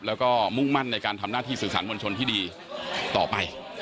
แล้วก็มุ่งมั่นในการทำหน้าที่สื่อสารมวลชนที่ดีต่อไป